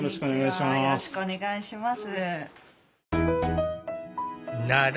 よろしくお願いします。